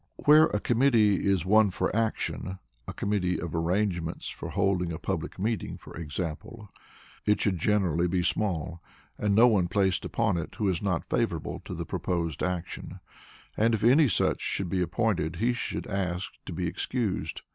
Where a committee is one for action (a committee of arrangements for holding a public meeting, for example), it should generally be small, and no one placed upon it who is not favorable to the proposed action; and if any such should be appointed he should ask to be excused.